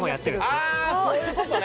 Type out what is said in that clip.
ああそういう事ね！